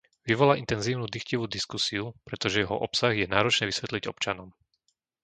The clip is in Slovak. Vyvolá intenzívnu dychtivú diskusiu, pretože jeho obsah je náročné vysvetliť občanom.